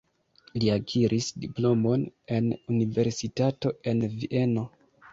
Li akiris diplomon en universitato en Vieno.